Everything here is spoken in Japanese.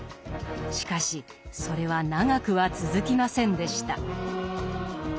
しかしそれは長くは続きませんでした。